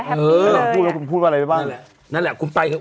แฮปปี้เลยเออพูดแล้วคุณพูดว่าอะไรไปบ้างนั่นแหละนั่นแหละคุณไปเถอะ